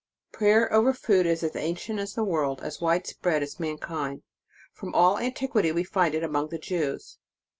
PRAYER OVER FOOD is AS ANCIENT AS THE WORLD ; AS WIDE SPREAD AS MANKIND. From all antiquity we find it among the Jews.